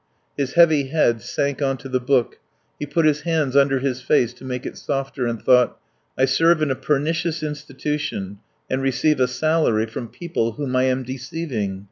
His heavy head sank on to the book, he put his hands under his face to make it softer, and thought: "I serve in a pernicious institution and receive a salary from people whom I am deceiving.